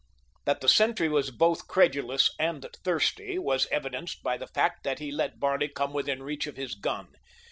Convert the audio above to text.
That the sentry was both credulous and thirsty was evidenced by the fact that he let Barney come within reach of his gun.